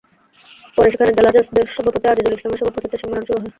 পরে সেখানে জেলা জাসদের সভাপতি আজিজুল ইসলামের সভাপতিত্বে সম্মেলন শুরু হয়।